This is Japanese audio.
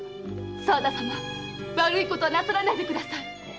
沢田様悪いことはなさらないで！